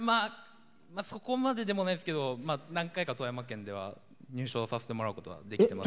そこまででもないですけど何回か富山県では優勝させてもらうことが。